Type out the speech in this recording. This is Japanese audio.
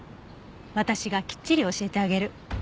私がきっちり教えてあげる。